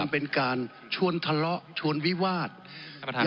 เป็นการชวนทะเลาะชวนวิวาสท่านประธาน